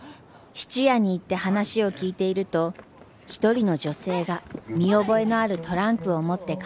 質屋に行って話を聞いていると一人の女性が見覚えのあるトランクを持って駆け込んできました。